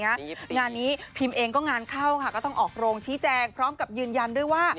งานนี้พิมเองก็งานเข้าค่ะก็ต้องออกโรงชี้แจงพร้อมกับยืนยันด้วยว่า